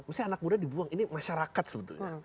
maksudnya anak muda dibuang ini masyarakat sebetulnya